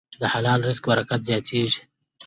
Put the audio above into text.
د حلال رزق برکت زیاتېږي.